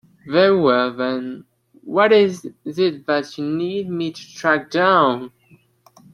Very well then, what is it that you need me to track down?